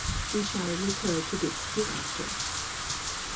We shall recur to this hereafter.